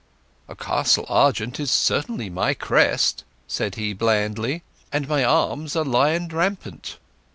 "A castle argent is certainly my crest," said he blandly. "And my arms a lion rampant."